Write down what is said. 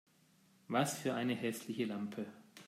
Was für eine hässliche Lampe!